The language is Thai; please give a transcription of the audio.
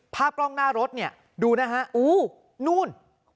ภาพกล้องหน้ารถดูนะฮะนู่น